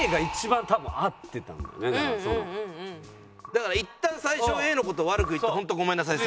だからいったん最初Ａの事悪く言って本当ごめんなさい。